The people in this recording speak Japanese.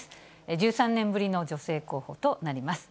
１３年ぶりの女性候補となります。